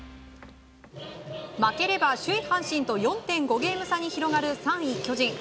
負ければ首位、阪神と４．５ゲーム差に広がる３位、巨人。